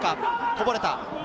こぼれた。